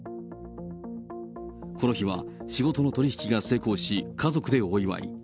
この日は仕事の取り引きが成功し、家族でお祝い。